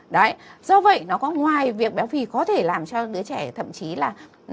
đấy do vậy nó có ngoài việc béo phì có thể làm cho đứa trẻ thậm chí là